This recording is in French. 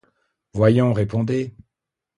Voyons, répondez!